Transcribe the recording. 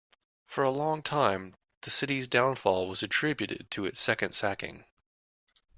For a long time, the city's downfall was attributed to its second sacking.